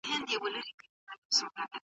که تجربه وي نو تاوان نه وي.